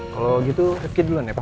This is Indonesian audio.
kalo gitu rifki duluan ya pak